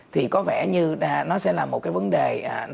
thì có vẻ như nó sẽ là một cái vấn đề nó hơi khá là khó khăn